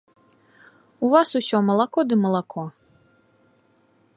У вас усё малако ды малако.